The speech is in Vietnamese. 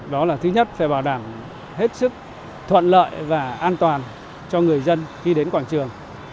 đó là thứ nhất phải bảo đảm hết sức thuận lợi và an toàn cho người dân khi đến quảng trường